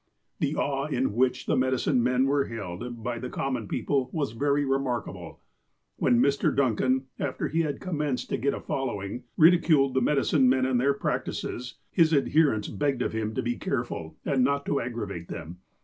The awe in which the medicine men were held, by the common people, was very remarkable. When Mr. Dun can, after he had commenced to get a following, ridiculed the medicine men and their practices, his adherents begged of him to be careful and not to aggravate them.